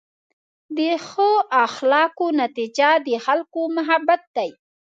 د ښه اخلاقو نتیجه د خلکو محبت دی.